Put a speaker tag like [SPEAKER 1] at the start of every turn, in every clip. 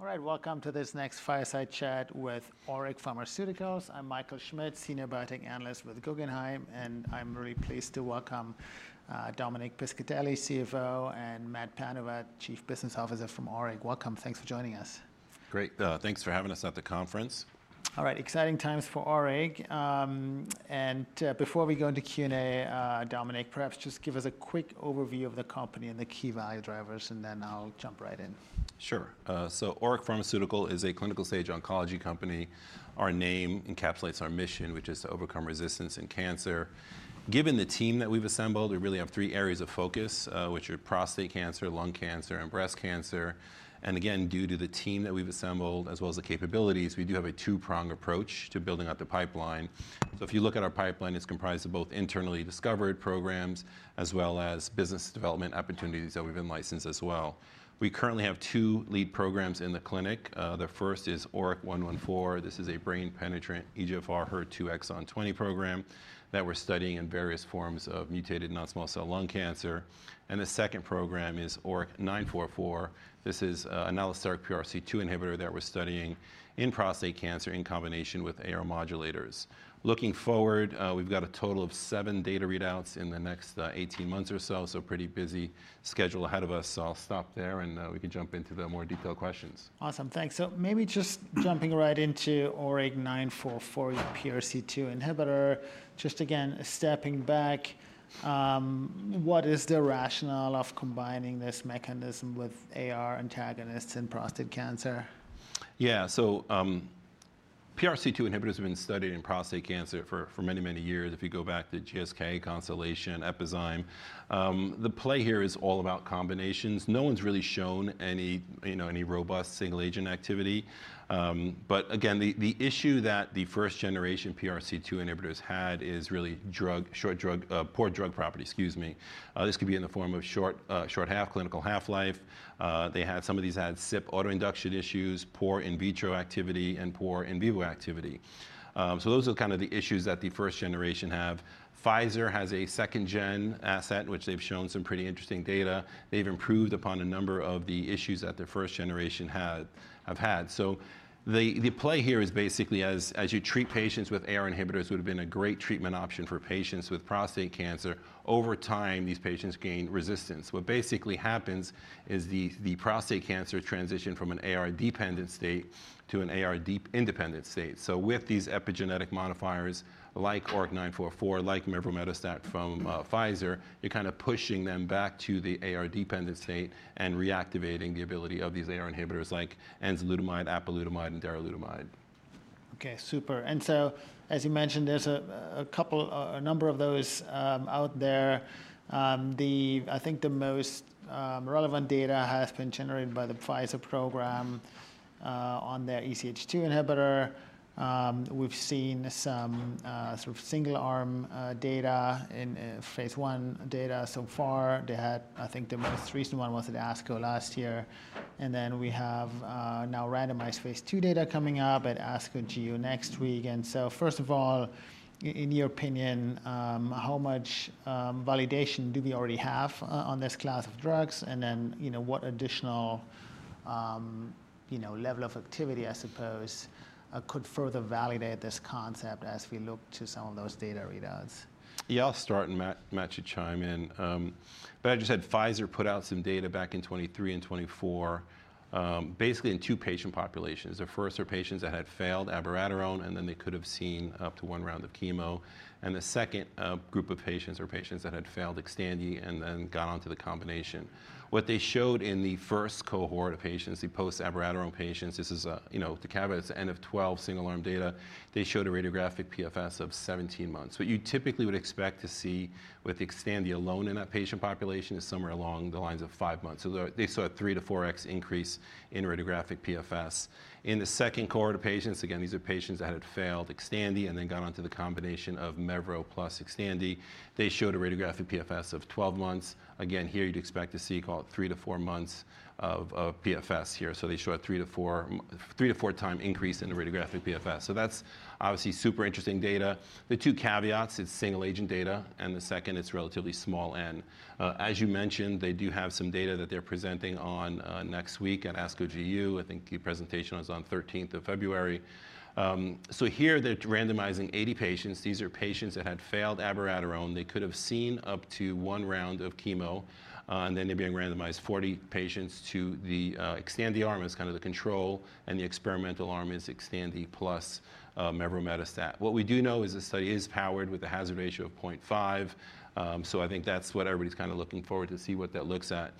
[SPEAKER 1] All right, welcome to this next fireside chat with ORIC Pharmaceuticals. I'm Michael Schmidt, Senior Biotech Analyst with Guggenheim, and I'm really pleased to welcome Dominic Piscitelli, CFO, and Matt Panuwat, Chief Business Officer from ORIC. Welcome, thanks for joining us.
[SPEAKER 2] Great, thanks for having us at the conference.
[SPEAKER 1] All right, exciting times for ORIC. And before we go into Q&A, Dominic, perhaps just give us a quick overview of the company and the key value drivers, and then I'll jump right in.
[SPEAKER 2] Sure. So ORIC Pharmaceuticals is a clinical-stage oncology company. Our name encapsulates our mission, which is to overcome resistance in cancer. Given the team that we've assembled, we really have three areas of focus, which are prostate cancer, lung cancer, and breast cancer. And again, due to the team that we've assembled, as well as the capabilities, we do have a two-prong approach to building out the pipeline. So if you look at our pipeline, it's comprised of both internally discovered programs as well as business development opportunities that we've been licensed as well. We currently have two lead programs in the clinic. The first is ORIC-114. This is a brain-penetrant EGFR/HER2 exon 20 program that we're studying in various forms of mutated non-small cell lung cancer. And the second program is ORIC-944. This is an allosteric PRC2 inhibitor that we're studying in prostate cancer in combination with AR modulators. Looking forward, we've got a total of seven data readouts in the next 18 months or so, so pretty busy schedule ahead of us. So I'll stop there, and we can jump into the more detailed questions.
[SPEAKER 1] Awesome, thanks. So maybe just jumping right into ORIC-944, your PRC2 inhibitor, just again, stepping back, what is the rationale of combining this mechanism with AR antagonists in prostate cancer?
[SPEAKER 2] So PRC2 inhibitors have been studied in prostate cancer for many, many years. If you go back to GSK, Constellation, Epizyme, the play here is all about combinations. No one's really shown any robust single-agent activity. But again, the issue that the first-generation PRC2 inhibitors had is really short drug, poor drug property, excuse me. This could be in the form of short half, clinical half-life. They had some of these CYP autoinduction issues, poor in vitro activity, and poor in vivo activity. So those are the issues that the first generation have. Pfizer has a second-gen asset, which they've shown some pretty interesting data. They've improved upon a number of the issues that the first generation have had. So the play here is basically as you treat patients with AR inhibitors, it would have been a great treatment option for patients with prostate cancer. Over time, these patients gain resistance. What basically happens is the prostate cancer transitioned from an AR dependent state to an AR dependent state. So with these epigenetic modifiers like ORIC-944, like mevrometastat from Pfizer, you're pushing them back to the AR dependent state and reactivating the ability of these AR inhibitors like enzalutamide, apalutamide, and daralutamide.
[SPEAKER 1] Okay, super. And so as you mentioned, there's a number of those out there. I think the most relevant data has been generated by the Pfizer program on their EZH2 inhibitor. We've seen some single-arm data in phase 1 data so far. They had, I think the most recent one was at ASCO last year. And then we have now randomized phase 2 data coming up at ASCO GU next week. And so first of all, in your opinion, how much validation do we already have on this class of drugs? And then what additional level of activity, I suppose, could further validate this concept as we look to some of those data readouts?
[SPEAKER 2] I'll start and Matt, you chime in. But I just had Pfizer put out some data back in 2023 and 2024, basically in two patient populations. The first are patients that had failed abiraterone, and then they could have seen up to one round of chemo. And the second group of patients are patients that had failed Xtandi and then got onto the combination. What they showed in the first cohort of patients, the post-abiraterone patients, this is the caveats, n=12 single-arm data, they showed a radiographic PFS of 17 months. What you typically would expect to see with the Xtandi alone in that patient population is somewhere along the lines of five months. So they saw a three- to four-X increase in radiographic PFS. In the second cohort of patients, again, these are patients that had failed Xtandi and then got onto the combination of mevrometastat plus Xtandi, they showed a radiographic PFS of 12 months. Again, here you'd expect to see about three to four months of PFS here. So they show a three to four time increase in the radiographic PFS. So that's obviously super interesting data. The two caveats, it's single-agent data, and the second, it's relatively small N. As you mentioned, they do have some data that they're presenting on next week at ASCO GU. I think the presentation was on the 13th of February. So here they're randomizing 80 patients. These are patients that had failed abiraterone. They could have seen up to one round of chemo. And then they're being randomized 40 patients to the Xtandi arm as the control, and the experimental arm is Xtandi plus mevrometastat. What we do know is the study is powered with a hazard ratio of 0.5. So I think that's what everybody's looking forward to see what that looks at.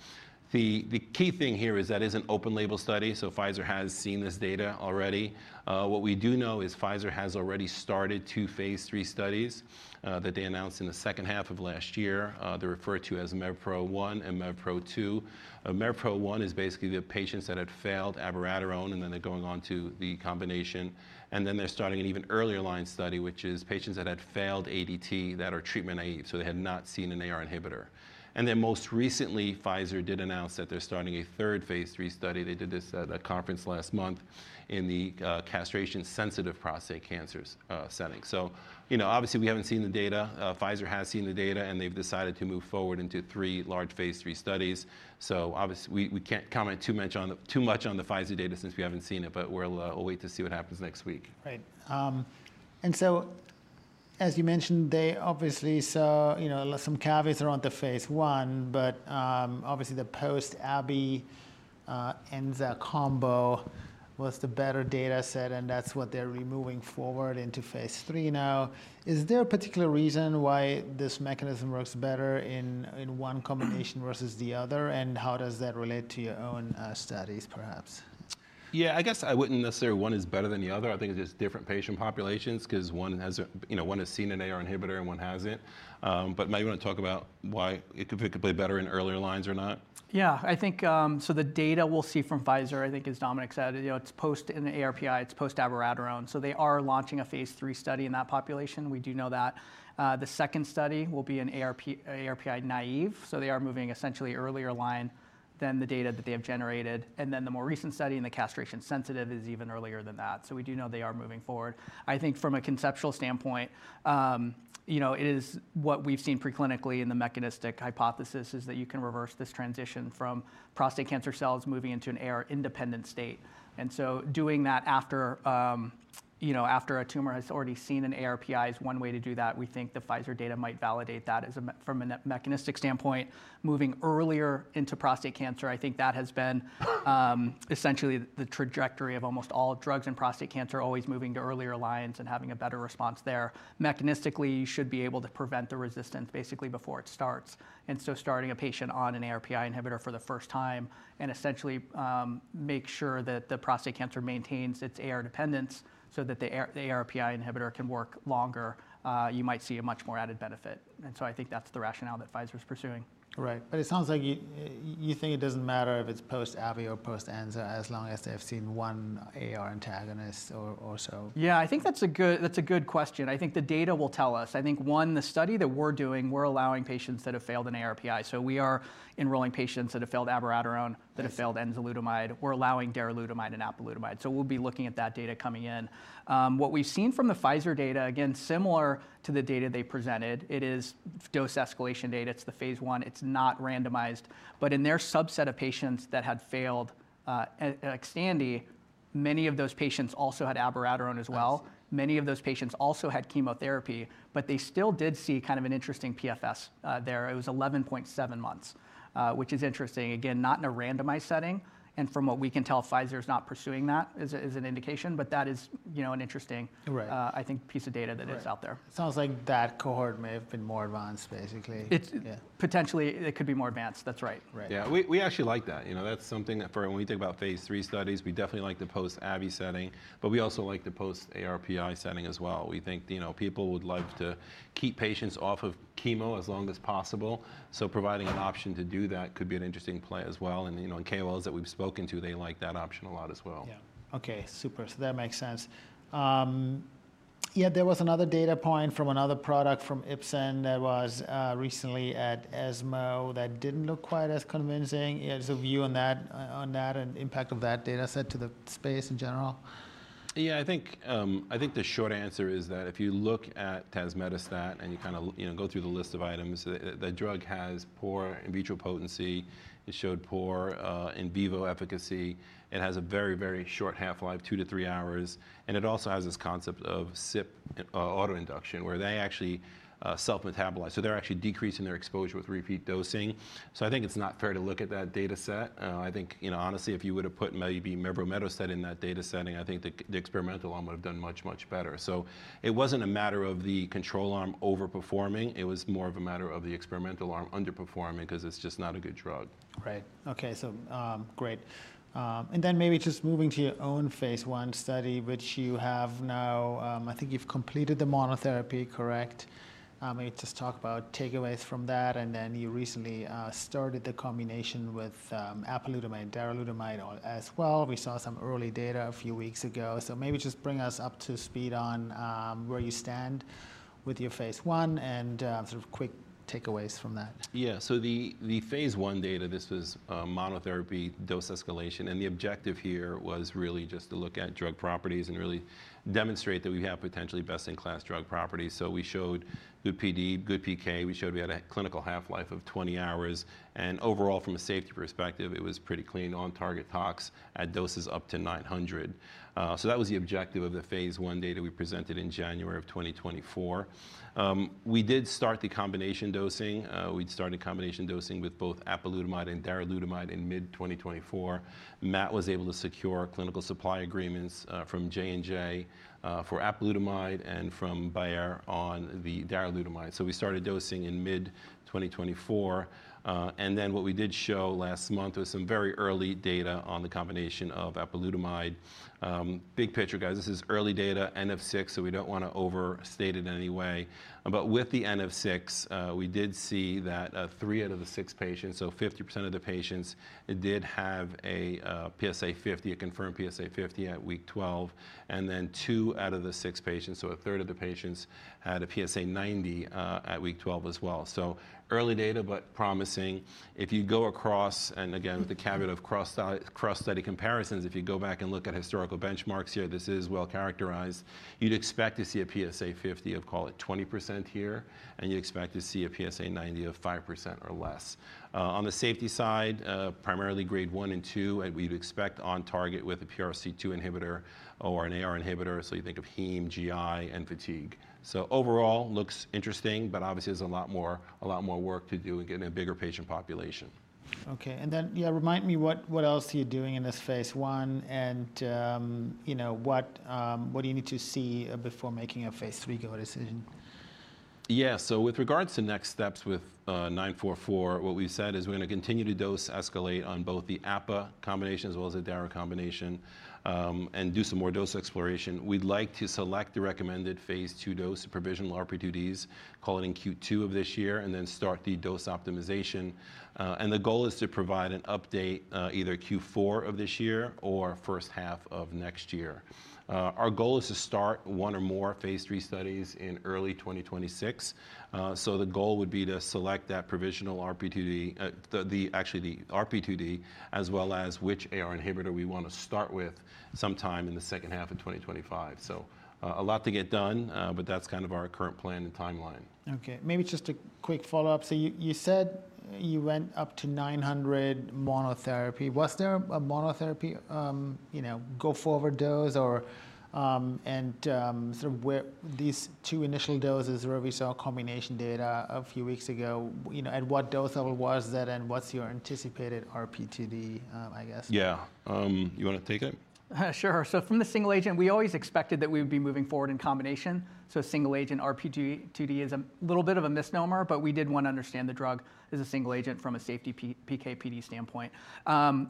[SPEAKER 2] The key thing here is that is an open label study. So Pfizer has seen this data already. What we do know is Pfizer has already started two phase 3 studies that they announced in the second half of last year. They're referred to as MEVPRO-1 and MEVPRO-2. MEVPRO-1 is basically the patients that had failed abiraterone and then they're going on to the combination. And then they're starting an even earlier line study, which is patients that had failed ADT that are treatment naive. So they had not seen an AR inhibitor. And then most recently, Pfizer did announce that they're starting a third phase 3 study. They did this at a conference last month in the castration-sensitive prostate cancer setting. So obviously we haven't seen the data. Pfizer has seen the data and they've decided to move forward into three large phase 3 studies. So obviously we can't comment too much on the Pfizer data since we haven't seen it, but we'll wait to see what happens next week.
[SPEAKER 1] Right. And so as you mentioned, they obviously saw some caveats around the phase one, but obviously the post-Abi, Enza combo was the better data set and that's what they're moving forward into phase three now. Is there a particular reason why this mechanism works better in one combination versus the other? And how does that relate to your own studies, perhaps?
[SPEAKER 2] I wouldn't necessarily say one is better than the other. I think it's just different patient populations because one has seen an AR inhibitor and one hasn't. But maybe you want to talk about why it could play better in earlier lines or not?
[SPEAKER 3] I think so. The data we'll see from Pfizer, I think as Dominic said, it's post-ARPI, it's post-abiraterone. So they are launching a phase three study in that population. We do know that. The second study will be an ARPI-naive. So they are moving essentially earlier line than the data that they have generated. And then the more recent study in the castration-sensitive is even earlier than that. So we do know they are moving forward. I think from a conceptual standpoint, it is what we've seen preclinically in the mechanistic hypothesis is that you can reverse this transition from prostate cancer cells moving into an AR-independent state. And so doing that after a tumor has already seen an ARPI is one way to do that. We think the Pfizer data might validate that from a mechanistic standpoint. Moving earlier into prostate cancer, I think that has been essentially the trajectory of almost all drugs in prostate cancer always moving to earlier lines and having a better response there. Mechanistically, you should be able to prevent the resistance basically before it starts. And so starting a patient on an ARPI inhibitor for the first time and essentially make sure that the prostate cancer maintains its AR dependence so that the ARPI inhibitor can work longer, you might see a much more added benefit. And so I think that's the rationale that Pfizer is pursuing.
[SPEAKER 1] Right. But it sounds like you think it doesn't matter if it's post-Abi or post-Enza as long as they've seen one AR antagonist or so.
[SPEAKER 3] I think that's a good question. I think the data will tell us. I think one, the study that we're doing, we're allowing patients that have failed an ARPI. So we are enrolling patients that have failed abiraterone, that have failed enzalutamide. We're allowing daralutamide and apalutamide. So we'll be looking at that data coming in. What we've seen from the Pfizer data, again, similar to the data they presented, it is dose escalation data. It's the phase one. It's not randomized. But in their subset of patients that had failed Xtandi, many of those patients also had abiraterone as well. Many of those patients also had chemotherapy, but they still did see an interesting PFS there. It was 11.7 months, which is interesting. Again, not in a randomized setting. From what we can tell, Pfizer is not pursuing that as an indication, but that is an interesting, I think, piece of data that is out there.
[SPEAKER 1] Sounds like that cohort may have been more advanced, basically.
[SPEAKER 3] Potentially, it could be more advanced. That's right.
[SPEAKER 2] We actually like that. That's something that for when we think about phase 3 studies, we definitely like the post-Abi setting, but we also like the post-ARPI setting as well. We think people would love to keep patients off of chemo as long as possible. So providing an option to do that could be an interesting play as well. And in KOLs that we've spoken to, they like that option a lot as well.
[SPEAKER 1] So that makes sense. There was another data point from another product from Ipsen that was recently at ESMO that didn't look quite as convincing. Is there a view on that and impact of that data set to the space in general?
[SPEAKER 2] I think the short answer is that if you look at tazemetostat and you go through the list of items, the drug has poor in vitro potency. It showed poor in vivo efficacy. It has a very, very short half-life, two to three hours, and it also has this concept of CYP autoinduction where they actually self-metabolize. So they're actually decreasing their exposure with repeat dosing. I think it's not fair to look at that data set. I think honestly, if you would have put maybe mevrometastat in that data setting, I think the experimental arm would have done much, much better. It wasn't a matter of the control arm overperforming. It was more of a matter of the experimental arm underperforming because it's just not a good drug.
[SPEAKER 1] So great. And then maybe just moving to your own phase 1 study, which you have now, I think you've completed the monotherapy, correct? Maybe just talk about takeaways from that. And then you recently started the combination with apalutamide, daralutamide as well. We saw some early data a few weeks ago. So maybe just bring us up to speed on where you stand with your phase 1 and quick takeaways from that.
[SPEAKER 2] So the phase 1 data, this was monotherapy dose escalation. And the objective here was really just to look at drug properties and really demonstrate that we have potentially best-in-class drug properties. So we showed good PD, good PK. We showed we had a clinical half-life of 20 hours. And overall, from a safety perspective, it was pretty clean on target tox at doses up to 900. So that was the objective of the phase 1 data we presented in January of 2024. We did start the combination dosing. We'd started combination dosing with both apalutamide and daralutamide in mid-2024. Matt was able to secure clinical supply agreements from J&J for apalutamide and from Bayer on the daralutamide. So we started dosing in mid-2024. And then what we did show last month was some very early data on the combination of apalutamide. Big picture, guys, this is early data, N of six, so we don't want to overstate it in any way, but with the N of six, we did see that three out of the six patients, so 50% of the patients, did have a PSA 50, a confirmed PSA 50 at week 12, and then two out of the six patients, so a third of the patients, had a PSA 90 at week 12 as well, so early data, but promising. If you go across, and again, with the caveat of cross-study comparisons, if you go back and look at historical benchmarks here, this is well characterized, you'd expect to see a PSA 50 of, call it 20% here, and you expect to see a PSA 90 of 5% or less. On the safety side, primarily grade one and two, and we'd expect on target with a PRC2 inhibitor or an AR inhibitor, so you think of hem, GI, and fatigue. So overall, looks interesting, but obviously there's a lot more work to do and get in a bigger patient population.
[SPEAKER 1] And then, remind me what else you're doing in this phase one and what do you need to see before making a phase three go decision?
[SPEAKER 2] So with regards to next steps with 944, what we've said is we're going to continue to dose escalate on both the APA combination as well as the Dara combination and do some more dose exploration. We'd like to select the recommended phase two dose, provisional RP2D, i.e., in Q2 of this year, and then start the dose optimization. And the goal is to provide an update either Q4 of this year or first half of next year. Our goal is to start one or more phase three studies in early 2026. So the goal would be to select that provisional RP2D, actually the RP2D, as well as which AR inhibitor we want to start with sometime in the second half of 2025. So a lot to get done, but that's our current plan and timeline.
[SPEAKER 1] Okay. Maybe just a quick follow-up. So you said you went up to 900 monotherapy. Was there a monotherapy go forward dose or, and these two initial doses where we saw combination data a few weeks ago, at what dose level was that and what's your anticipated RP2D, I guess?
[SPEAKER 2] You want to take it?
[SPEAKER 3] Sure. So from the single agent, we always expected that we would be moving forward in combination. So single agent RP2D is a little bit of a misnomer, but we did want to understand the drug as a single agent from a safety PK/PD standpoint.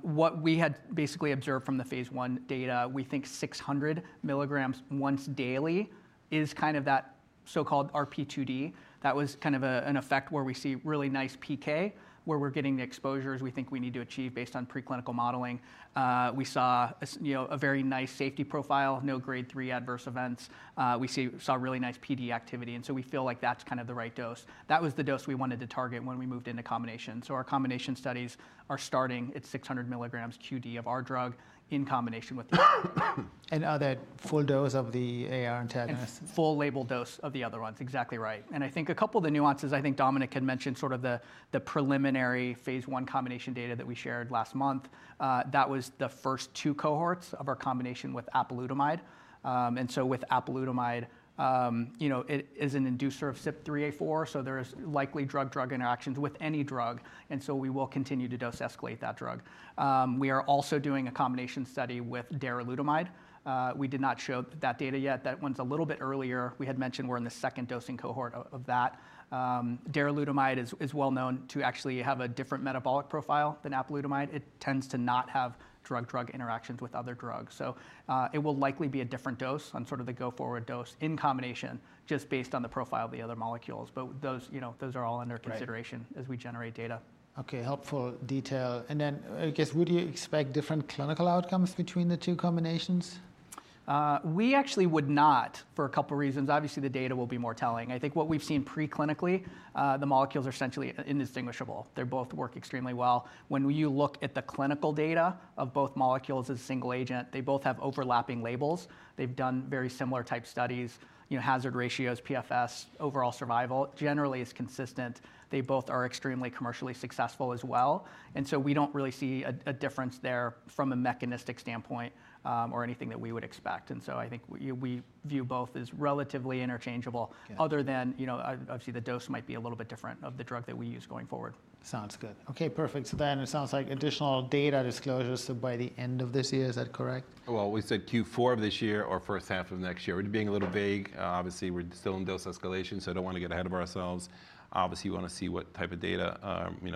[SPEAKER 3] What we had basically observed from the phase one data, we think 600 milligrams once daily is that so-called RP2D. That was an effect where we see really nice PK, where we're getting the exposures we think we need to achieve based on preclinical modeling. We saw a very nice safety profile, no grade three adverse events. We saw really nice PD activity. And so we feel like that's the right dose. That was the dose we wanted to target when we moved into combination. So our combination studies are starting at 600 milligrams QD of our drug in combination with the. Are that full dose of the AR antagonist? Full labeled dose of the other ones. Exactly right. I think a couple of the nuances. I think Dominic had mentioned the preliminary phase one combination data that we shared last month. That was the first two cohorts of our combination with apalutamide. And so with apalutamide, it is an inducer of CYP3A4, so there is likely drug-drug interactions with any drug. And so we will continue to dose escalate that drug. We are also doing a combination study with daralutamide. We did not show that data yet. That one's a little bit earlier. We had mentioned we're in the second dosing cohort of that. Daralutamide is well known to actually have a different metabolic profile than apalutamide. It tends to not have drug-drug interactions with other drugs.It will likely be a different dose on the go-forward dose in combination just based on the profile of the other molecules, but those are all under consideration as we generate data.
[SPEAKER 1] Okay. Helpful detail. And then would you expect different clinical outcomes between the two combinations?
[SPEAKER 3] We actually would not for a couple of reasons. Obviously, the data will be more telling. I think what we've seen preclinically, the molecules are essentially indistinguishable. They both work extremely well. When you look at the clinical data of both molecules as a single agent, they both have overlapping labels. They've done very similar type studies, hazard ratios, PFS, overall survival. Generally, it's consistent. They both are extremely commercially successful as well. And so we don't really see a difference there from a mechanistic standpoint or anything that we would expect. And so I think we view both as relatively interchangeable other than obviously the dose might be a little bit different of the drug that we use going forward.
[SPEAKER 1] Sounds good. Okay, perfect. So then it sounds like additional data disclosures by the end of this year. Is that correct?
[SPEAKER 2] We said Q4 of this year or first half of next year. We're being a little vague. Obviously, we're still in dose escalation, so I don't want to get ahead of ourselves. Obviously, we want to see what type of data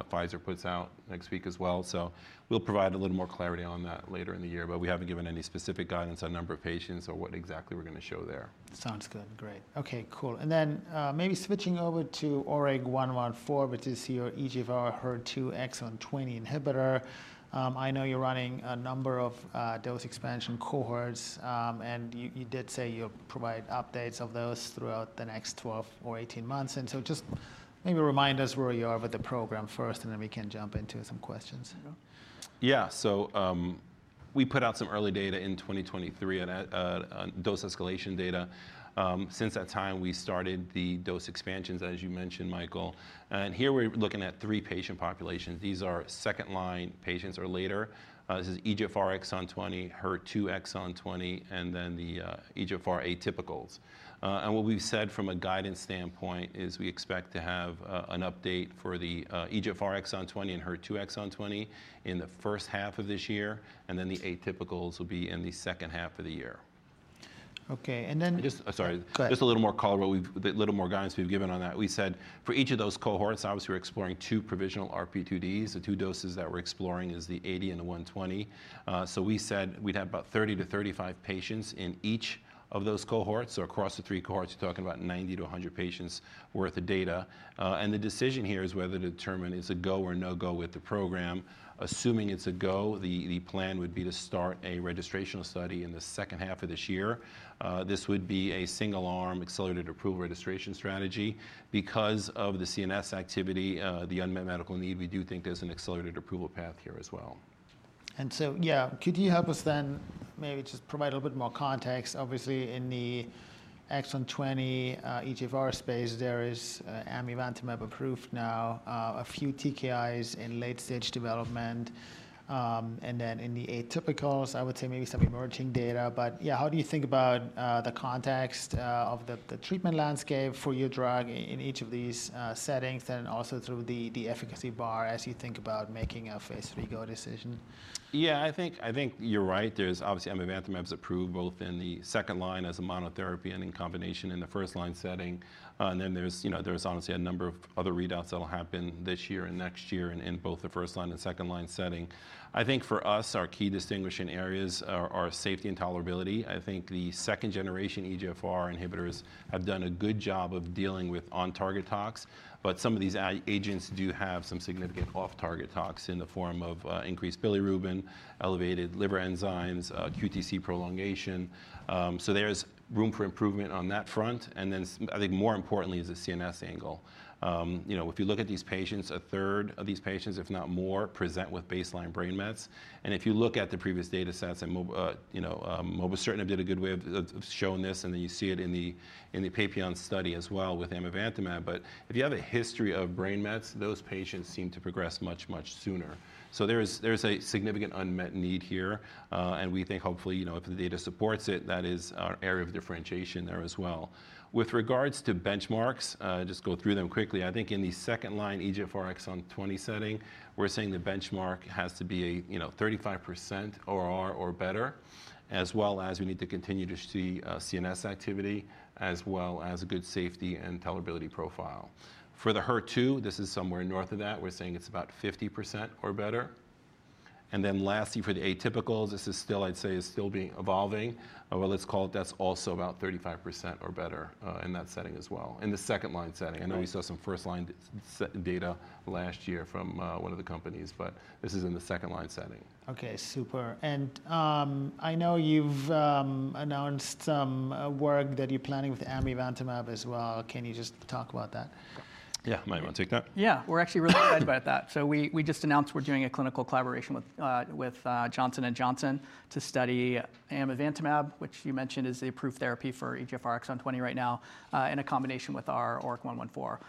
[SPEAKER 2] Pfizer puts out next week as well. So we'll provide a little more clarity on that later in the year, but we haven't given any specific guidance on number of patients or what exactly we're going to show there.
[SPEAKER 1] Sounds good. Great. Okay, cool. And then maybe switching over to ORIC-114, which is your EGFR/HER2 exon 20 inhibitor. I know you're running a number of dose expansion cohorts, and you did say you'll provide updates of those throughout the next 12 or 18 months. And so just maybe remind us where you are with the program first, and then we can jump into some questions.
[SPEAKER 2] So we put out some early data in 2023 on dose escalation data. Since that time, we started the dose expansions, as you mentioned, Michael. And here we're looking at three patient populations. These are second-line patients or later. This is EGFR exon 20, HER2 exon 20, and then the EGFR atypicals. And what we've said from a guidance standpoint is we expect to have an update for the EGFR exon 20 and HER2 exon 20 in the first half of this year, and then the atypicals will be in the second half of the year.
[SPEAKER 1] Okay, and then.
[SPEAKER 2] Sorry.
[SPEAKER 1] Go ahead.
[SPEAKER 2] Just a little more color, a little more guidance we've given on that. We said for each of those cohorts, obviously we're exploring two provisional RP2Ds. The two doses that we're exploring is the 80 and the 120. So we said we'd have about 30 to 35 patients in each of those cohorts. So across the three cohorts, you're talking about 90 to 100 patients worth of data. And the decision here is whether to determine it's a go or no go with the program. Assuming it's a go, the plan would be to start a registration study in the second half of this year. This would be a single-arm accelerated approval registration strategy. Because of the CNS activity, the unmet medical need, we do think there's an accelerated approval path here as well.
[SPEAKER 1] Could you help us then maybe just provide a little bit more context? Obviously, in the exon 20 EGFR space, there is amivantamab approved now, a few TKIs in late-stage development, and then in the atypicals, I would say maybe some emerging data. How do you think about the context of the treatment landscape for your drug in each of these settings and also through the efficacy bar as you think about making a phase 3 go decision?
[SPEAKER 2] You're right. There's obviously amivantamab approved both in the second line as a monotherapy and in combination in the first line setting. And then there's obviously a number of other readouts that'll happen this year and next year in both the first line and second line setting. I think for us, our key distinguishing areas are safety and tolerability. I think the second-generation EGFR inhibitors have done a good job of dealing with on-target tox, but some of these agents do have some significant off-target tox in the form of increased bilirubin, elevated liver enzymes, QTc prolongation. So there's room for improvement on that front. And then I think more importantly is the CNS angle. If you look at these patients, a third of these patients, if not more, present with baseline brain mets. If you look at the previous data sets, and mobocertinib did a good way of showing this, and then you see it in the PAPILLON study as well with amivantamab. If you have a history of brain mets, those patients seem to progress much, much sooner. There's a significant unmet need here. We think hopefully, if the data supports it, that is our area of differentiation there as well. With regards to benchmarks, just go through them quickly. I think in the second line EGFR exon 20 setting, we're saying the benchmark has to be a 35% ORR or better, as well as we need to continue to see CNS activity, as well as a good safety and tolerability profile. For the HER2, this is somewhere north of that. We're saying it's about 50% or better. Lastly, for the atypicals, this is still, I'd say, evolving. Let's call it. That's also about 35% or better in that setting as well. In the second-line setting. I know we saw some first-line data last year from one of the companies, but this is in the second-line setting.
[SPEAKER 1] Okay. Super. And I know you've announced some work that you're planning with amivantamab as well. Can you just talk about that?
[SPEAKER 2] Mind you, I'll take that.
[SPEAKER 3] We're actually really excited about that. So we just announced we're doing a clinical collaboration with Johnson & Johnson to study amivantamab, which you mentioned is the approved therapy for EGFR exon 20 right now, in a combination with our ORIC-114.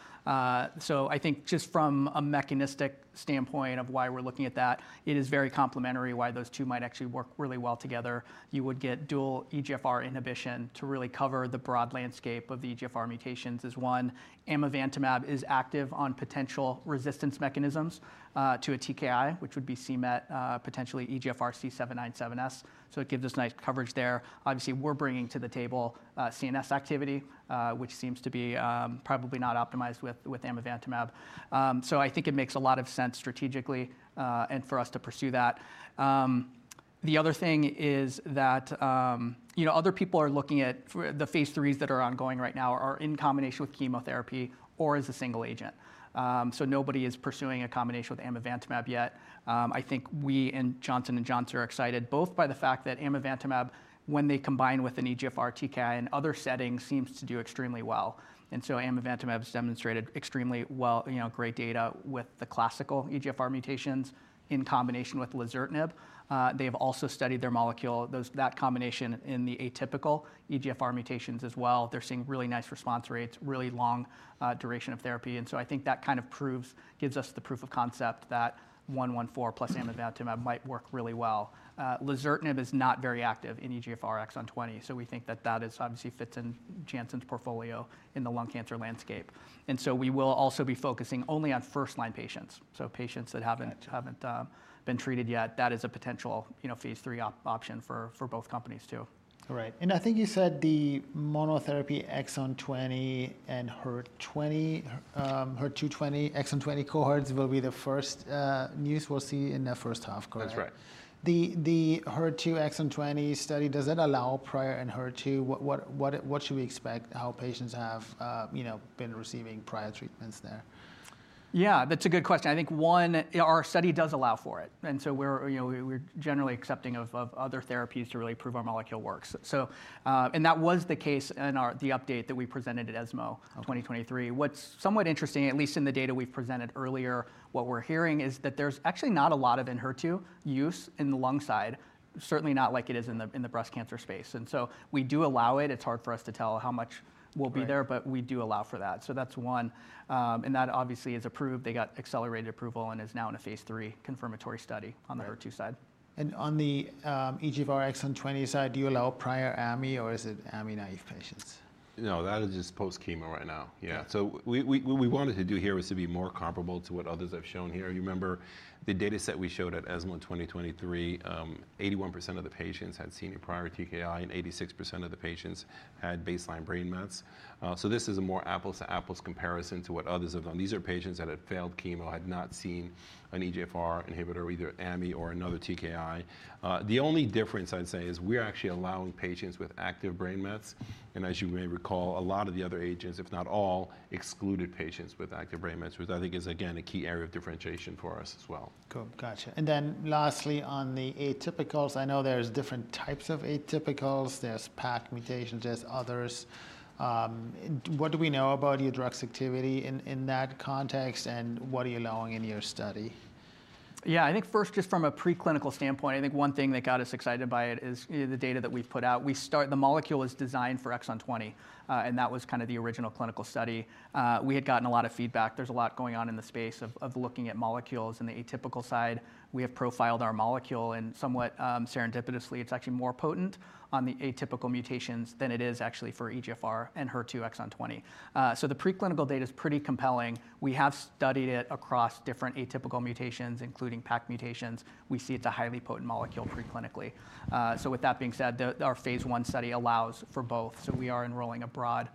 [SPEAKER 3] So I think just from a mechanistic standpoint of why we're looking at that, it is very complementary why those two might actually work really well together. You would get dual EGFR inhibition to really cover the broad landscape of the EGFR mutations is one. Amivantamab is active on potential resistance mechanisms to a TKI, which would be c-MET, potentially EGFR C797S. So it gives us nice coverage there. Obviously, we're bringing to the table CNS activity, which seems to be probably not optimized with amivantamab. So I think it makes a lot of sense strategically and for us to pursue that. The other thing is that other people are looking at the phase 3s that are ongoing right now are in combination with chemotherapy or as a single agent, so nobody is pursuing a combination with amivantamab yet. I think we and Johnson & Johnson are excited both by the fact that amivantamab, when they combine with an EGFR TKI in other settings, seems to do extremely well, and so amivantamab has demonstrated extremely great data with the classical EGFR mutations in combination with lazertinib. They have also studied their molecule, that combination in the atypical EGFR mutations as well. They're seeing really nice response rates, really long duration of therapy, and so I think that gives us the proof of concept that 114 plus amivantamab might work really well. Lazertinib is not very active in EGFR exon 20, so we think that obviously fits in Janssen's portfolio in the lung cancer landscape. And so we will also be focusing only on first-line patients. So patients that haven't been treated yet, that is a potential phase 3 option for both companies too.
[SPEAKER 1] All right. And I think you said the monotherapy exon 20 and HER2 exon 20 cohorts will be the first news we'll see in the first half, correct?
[SPEAKER 2] That's right.
[SPEAKER 1] The HER2 exon 20 study, does that allow prior Enhertu? What should we expect? How patients have been receiving prior treatments there?
[SPEAKER 3] That's a good question. I think one, our study does allow for it. And so we're generally accepting of other therapies to really prove our molecule works. And that was the case in the update that we presented at ESMO 2023. What's somewhat interesting, at least in the data we've presented earlier, what we're hearing is that there's actually not a lot of Enhertu in the lung side, certainly not like it is in the breast cancer space. And so we do allow it. It's hard for us to tell how much will be there, but we do allow for that. So that's one. And that obviously is approved. They got accelerated approval and is now in a phase three confirmatory study on the HER2 side.
[SPEAKER 1] On the EGFR exon 20 side, do you allow prior AMI or is it AMI naive patients?
[SPEAKER 2] No, that is just post-chemo right now. So what we wanted to do here was to be more comparable to what others have shown here. You remember the data set we showed at ESMO 2023, 81% of the patients had seen a prior TKI and 86% of the patients had baseline brain mets. So this is a more apples-to-apples comparison to what others have done. These are patients that had failed chemo, had not seen an EGFR inhibitor, either AMI or another TKI. The only difference I'd say is we're actually allowing patients with active brain mets. And as you may recall, a lot of the other agents, if not all, excluded patients with active brain mets, which I think is, again, a key area of differentiation for us as well.
[SPEAKER 1] Cool. Gotcha. And then lastly, on the atypicals, I know there's different types of atypicals. There's PACC mutations, there's others. What do we know about your drug's activity in that context and what are you allowing in your study?
[SPEAKER 3] I think first, just from a preclinical standpoint, I think one thing that got us excited by it is the data that we've put out. The molecule is designed for exon 20, and that was the original clinical study. We had gotten a lot of feedback. There's a lot going on in the space of looking at molecules and the atypical side. We have profiled our molecule and somewhat serendipitously, it's actually more potent on the atypical mutations than it is actually for EGFR and HER2 exon 20. So the preclinical data is pretty compelling. We have studied it across different atypical mutations, including PACC mutations. We see it's a highly potent molecule preclinically. So with that being said, our phase one study allows for both. So we are enrolling a broad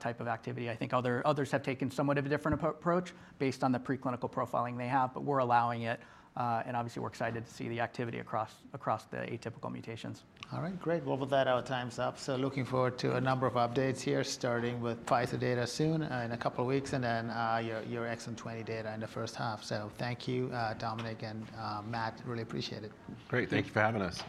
[SPEAKER 3] type of activity. I think others have taken somewhat of a different approach based on the preclinical profiling they have, but we're allowing it, and obviously, we're excited to see the activity across the atypical mutations.
[SPEAKER 1] All right. Great. Well, with that, our time's up. So looking forward to a number of updates here, starting with Pfizer data soon in a couple of weeks and then your exon 20 data in the first half. So thank you, Dominic and Matt. Really appreciate it.
[SPEAKER 2] Great. Thank you for having us.